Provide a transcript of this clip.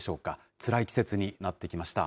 つらい季節になってきました。